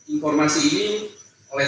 informasi ini oleh